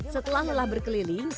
setelah lelah berkeliling